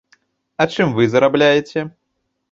А чым вы зарабляеце?